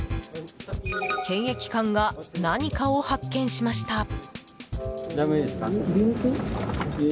検疫官が何かを発見しました。